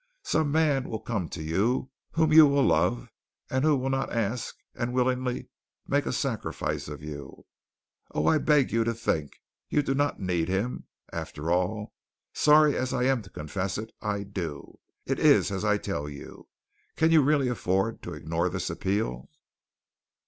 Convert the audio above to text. Some man will come to you whom you will love and who will not ask and willingly make a sacrifice of you. Oh, I beg you to think! You do not need him. After all, sorry as I am to confess it, I do. It is as I tell you. Can you really afford to ignore this appeal?"